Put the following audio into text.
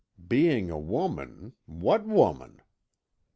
Being a woman, what woman?